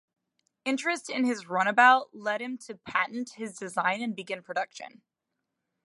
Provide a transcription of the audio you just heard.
Interest in his runabout led him to patent his design and begin production.